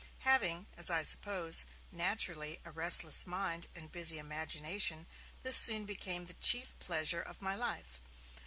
Having, as I suppose, naturally a restless mind and busy imagination, this soon became the chief pleasure of my life.